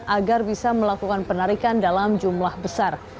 agar bisa melakukan penarikan dalam jumlah besar